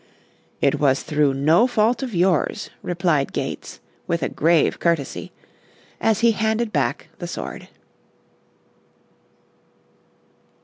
"It was through no fault of yours," replied Gates, with a grave courtesy, as he handed back the sword.